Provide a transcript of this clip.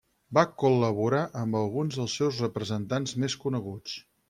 Va col·laborar amb alguns dels seus representants més coneguts.